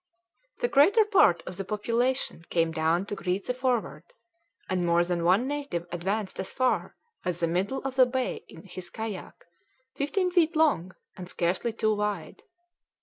The greater part of the population came down to greet the Forward, and more than one native advanced as far as the middle of the bay in his kayak, fifteen feet long and scarcely two wide.